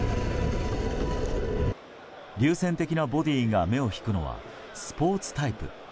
流線的なボディーが目を引くのはスポーツタイプ。